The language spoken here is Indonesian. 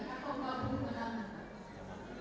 atau gabung dengan